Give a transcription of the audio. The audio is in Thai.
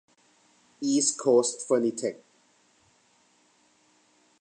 อีสต์โคสท์เฟอร์นิเทค